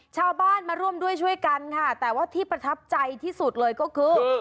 ชาวบ้านมาร่วมด้วยช่วยกันค่ะแต่ว่าที่ประทับใจที่สุดเลยก็คือ